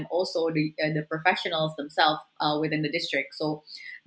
dan juga profesional profesionalnya sendiri di daerah